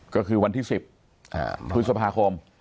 ก็คือวันที่๑๐พฤษภาคม